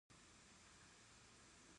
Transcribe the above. د هضم لپاره شین چای وڅښئ